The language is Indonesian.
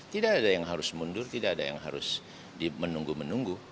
tidak ada yang harus mundur tidak ada yang harus menunggu menunggu